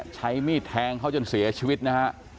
ใช้มีดแทงเขาจนเสียชีวิตนะฮะ